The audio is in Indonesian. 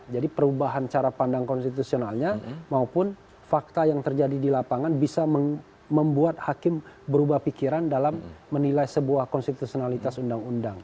jadi perubahan cara pandang konstitusionalnya maupun fakta yang terjadi di lapangan bisa membuat hakim berubah pikiran dalam menilai sebuah konstitusionalitas undang undang